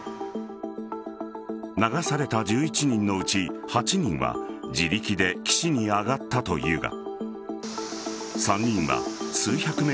流された１１人のうち８人は自力で岸に上がったというが３人は数百ｍ